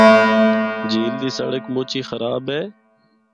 جھیل دی سڑک مُچ ہی خراب اے۔